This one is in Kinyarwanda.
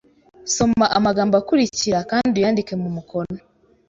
Soma amagambo akurikira kandi uyandike mu mukono